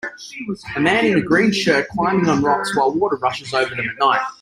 A man in a green shirt climbing on rocks while water rushes over them at night.